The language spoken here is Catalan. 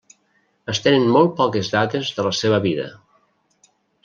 Es tenen molt poques dades de la seva vida.